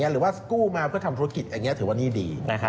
หรือว่ากู้มาเพื่อทำธุรกิจอย่างนี้ถือว่านี่ดี